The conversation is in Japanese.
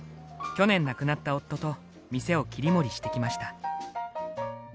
去年亡くなった夫と店を切り盛りしてきました。